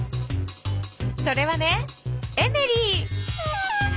それはねエメリー。